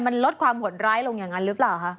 มันลดความหดร้ายลงอย่างนั้นหรือเปล่าคะ